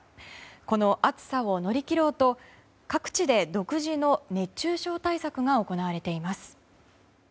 この暑さを乗り切ろうと各地で独自の熱中症対策が行われています。